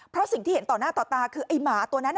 เพราะสิ่งที่เห็นต่อหน้าต่อตาคือไอ้หมาตัวนั้น